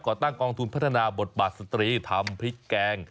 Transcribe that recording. ตั้งกองทุนพัฒนาบทบาทสตรีทำพริกแกง